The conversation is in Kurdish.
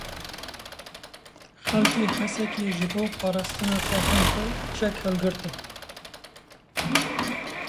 Xelkê Hesekê ji bo parastina taxên xwe çek hilgirtin.